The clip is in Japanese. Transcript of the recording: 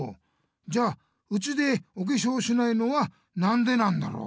じゃあうちでおけしょうしないのはなんでなんだろう？